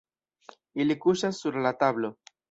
Ili kuŝas sur la tablo.